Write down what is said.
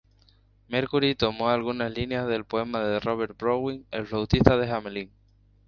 Mercury tomó algunas líneas del poema de Robert Browning, "El flautista de Hamelín".